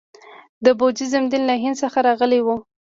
د بودیزم دین له هند څخه راغلی و